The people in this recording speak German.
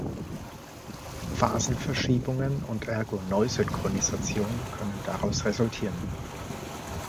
Phasenverschiebungen und ergo Neusynchronisation können daraus resultieren.